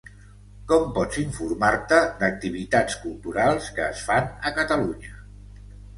Com pots informar-te d'activitats culturals que es fan a Catalunya?